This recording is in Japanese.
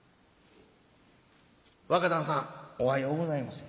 若旦さんおはようございます」。